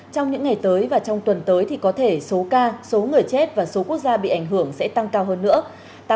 trong những ngày tới và trong tuần tới thì có thể số ca số người chết và số quốc gia bị ảnh hưởng sẽ tăng cao hơn nữa